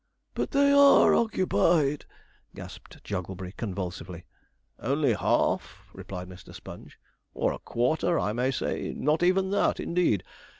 'But they are occupied!' gasped Jogglebury, convulsively. 'Only half,' replied Mr. Sponge; 'or a quarter, I may say not even that, indeed.